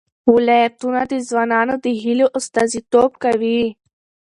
ولایتونه د ځوانانو د هیلو استازیتوب کوي.